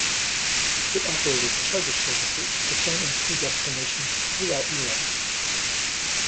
It operated charter services to sun and ski destinations throughout Europe.